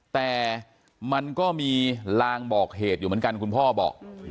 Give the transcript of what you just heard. แต่มันก็มีลางบอกเหตุอยู่เหมือนกันคุณพ่อบอก